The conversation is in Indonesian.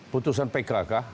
putusan pk kah